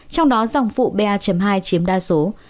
trong đó dòng phụ pa hai chiếm đa dạng